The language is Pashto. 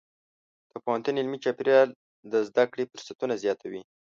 د پوهنتون علمي چاپېریال د زده کړې فرصتونه زیاتوي.